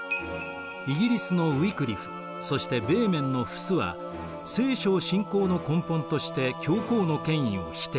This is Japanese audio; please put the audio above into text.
イギリスのウィクリフそしてベーメンのフスは「聖書」を信仰の根本として教皇の権威を否定。